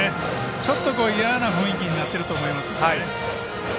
ちょっと嫌な雰囲気になっていると思いますね。